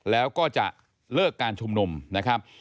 แล้วก็จะเลิกการชุมนุมนะครับ